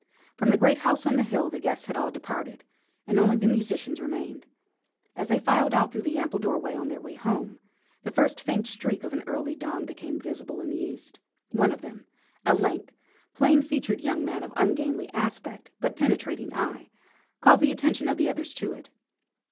From the great house on the hill the guests had all departed and only the musicians remained. As they filed out through the ample doorway, on their way home, the first faint streak of early dawn became visible in the east. One of them, a lank, plain featured young man of ungainly aspect but penetrating eye, called the attention of the others to it.